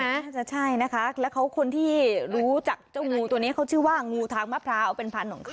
ีเอนใช่นะคะแล้วคนที่รู้จากเจ้างูนี่เขาชื่อว่างูทากมาพราเอ้าเป็นพันธุ์แบบสี่ไปนะ